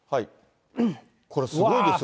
これ、すごいですよ。